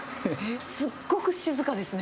すっごく静かですね。